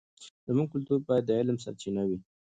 زموږ کلتور باید د علم سرچینه وي.